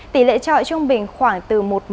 tỷ lệ trọi trung bình khoảng từ